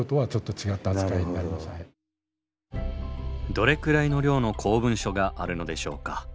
どれくらいの量の公文書があるのでしょうか？